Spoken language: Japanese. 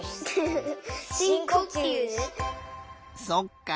そっか。